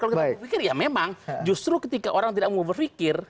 kalau kita berpikir ya memang justru ketika orang tidak mau berpikir